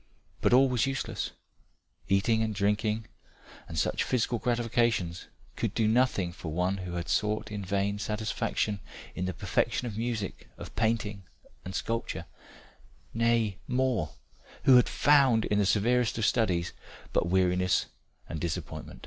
But all was useless eating and drinking, and such physical gratifications could do nothing for one who had sought in vain satisfaction in the perfection of music, of painting and sculpture nay, more, who had found in the severest of studies but weariness and disappointment."